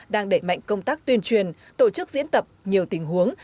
đang đẩy mạnh công tác tuyên truyền tổ chức diễn tập nhiều tình huống